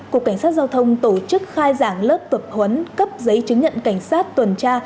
cục cảnh sát giao thông tổ chức khai giảng lớp tập huấn cấp giấy chứng nhận cảnh sát tuần tra